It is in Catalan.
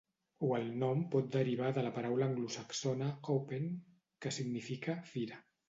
O el nom pot derivar de la paraula anglosaxona "hoppen", que significa 'fira'.